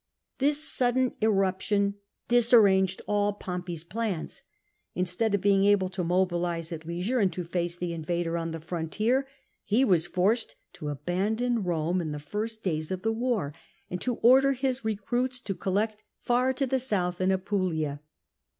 This sudden irruption disarranged all Pompey's plans; instead of being able to mobilise at leisure and to face the invader on the frontier, he was forced to abandon Rome in the first days of the war, and to order his recruits to collect far to the south in Apulia.